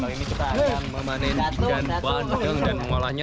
kami sekarang akan memanen ikan bandeng dan mengolahnya